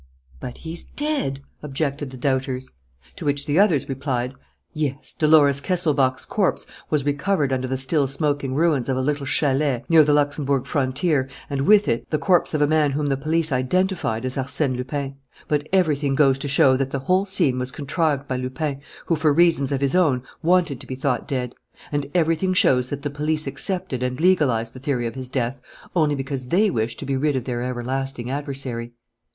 "But he's dead!" objected the doubters. To which the others replied: "Yes, Dolores Kesselbach's corpse was recovered under the still smoking ruins of a little chalet near the Luxemburg frontier and, with it, the corpse of a man whom the police identified as Arsène Lupin. But everything goes to show that the whole scene was contrived by Lupin, who, for reasons of his own, wanted to be thought dead. And everything shows that the police accepted and legalized the theory of his death only because they wished to be rid of their everlasting adversary.